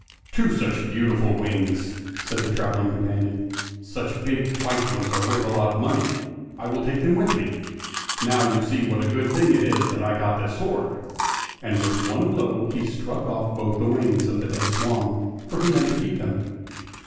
" Two such beautiful wings," said the travelling companion. " Such big white ones are worth a lot of money ; I will take them with me. Now, you see what a good thing it was that I got this sword! " and with one blow he struck off both the wings of the dead swan, for he meant to keep them.